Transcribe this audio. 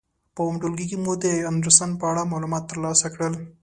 په اووم ټولګي کې مو د اندرسن په اړه معلومات تر لاسه کړل.